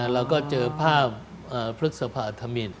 เราก็เจอภาพพฤษภาธมิน